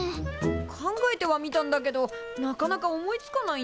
考えてはみたんだけどなかなか思いつかないんだ。